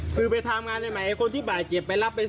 เขาสนิทกัน